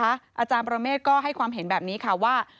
อาจารย์ประเมฆก็ให้ความเห็นแบบนี้ค่ะว่า